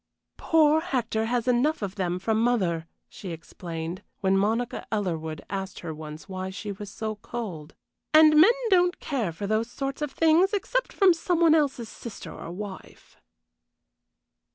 "Poor Hector has enough of them from mother," she explained, when Monica Ellerwood asked her once why she was so cold. "And men don't care for those sort of things, except from some one else's sister or wife."